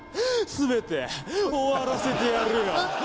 全て終わらせてやるよ！